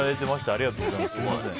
ありがとうございます。